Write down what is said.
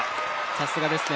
さすがですね。